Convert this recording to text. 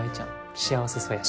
幸せそうやし。